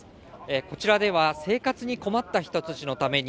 こちらでは生活に困った人たちのために、